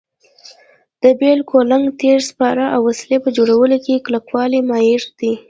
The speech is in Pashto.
د بېل، کولنګ، تبر، سپارې او وسلې په جوړولو کې کلکوالی معیار دی.